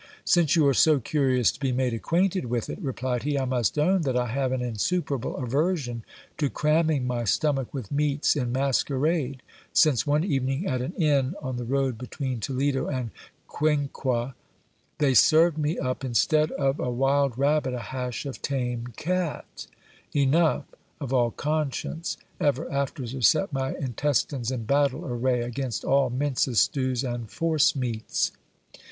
Since you are so curious to be made acquainted with it, replied he, I must own that I have an insuperable aversion to cramming my stomach with meats in masquerade, since one evening at an inn on the road between Toledo and Cuenca, they served me up, instead of a wild rabbit, a hash of tame cat ; enough, of all conscience, ever after to set my intestines in battle array against all minces, stews, and force meats.